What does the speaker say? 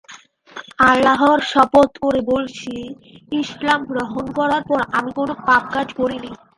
আল্লাহর শপথ করে বলছি, ইসলাম গ্রহণ করার পর আমি কোন পাপ কাজ করিনি।